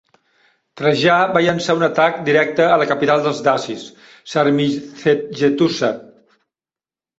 Trajà va llançar un atac directe a la capital dels dacis, Sarmizegetusa.